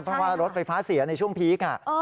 เพราะว่ารถไฟฟ้าเสียในช่วงพีค